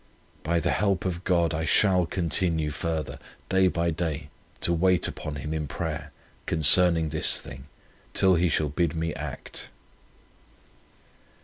By the help of God I shall continue further, day by day, to wait upon Him in prayer concerning this thing, till He shall bid me act.